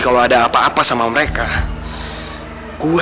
kalau nggak itu dari di bawah